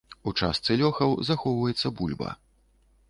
У частцы лёхаў захоўваецца бульба.